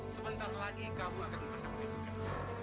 sebentar lagi kamu akan mempersembahkan kekasih